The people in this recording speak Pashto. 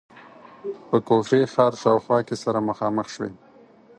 په کوفې ښار شاوخوا کې سره مخامخ شوې.